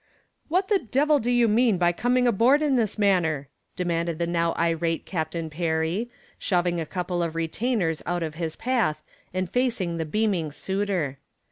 "What the devil do you mean by coming aboard in this manner?" demanded the now irate Captain Perry, shoving a couple of retainers out of his path and facing the beaming suitor.